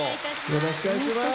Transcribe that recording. よろしくお願いします。